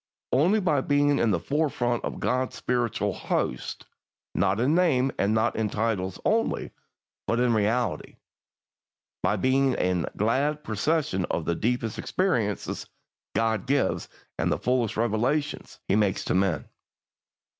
Only by being in the forefront of God's spiritual hosts; not in name and in titles only, but in reality; by being in glad possession of the deepest experiences God gives, and the fullest revelations He makes to men.